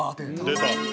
出た。